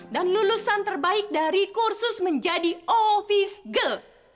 dan lulusan terbaik dari kursus menjadi ofis girl